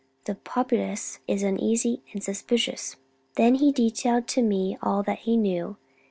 The populace is uneasy and suspicious." Then he detailed to me all that he knew.